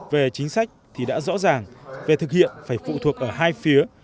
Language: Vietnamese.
về chính sách thì đã rõ ràng về thực hiện phải phụ thuộc ở hai phía